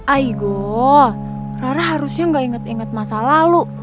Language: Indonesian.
aigo rara harusnya gak inget inget masa lalu